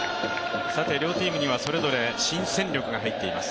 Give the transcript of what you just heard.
さて両チームにはそれぞれ新戦力が入っています。